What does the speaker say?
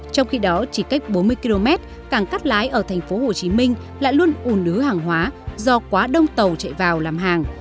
trong khi đó chỉ cách bốn mươi km cảng cắt lái ở tp hcm lại luôn ùn ứ hàng hóa do quá đông tàu chạy vào làm hàng